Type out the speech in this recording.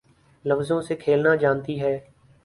لفظوں سے کھیلنا جانتی ہے